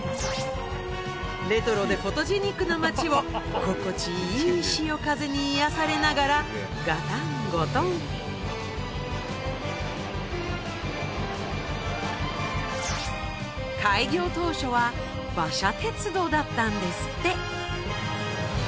レトロでフォトジェニックな街を心地いい潮風に癒やされながらガタンゴトン開業当初は馬車鉄道だったんですって。